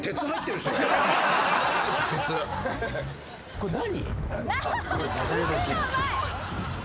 これ何？